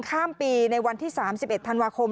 ข้ามปีในวันที่๓๑ธันวาคม